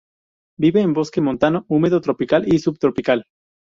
Vive en bosque montano húmedo tropical y subtropical.